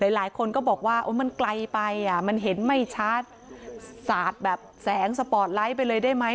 หลายคนก็บอกว่ามันไกลไปอ่ะมันเห็นไม่ชัดสาดแบบแสงสปอร์ตไลท์ไปเลยได้ไหม